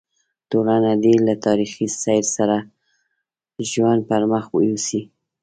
ټولنه دې له تاریخي سیر سره ژوند پر مخ یوسي.